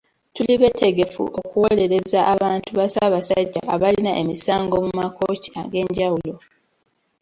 Tuli beetegefu okuweereza abantu ba Ssaabasajja abalina emisango mu makooti ag'enjewulo.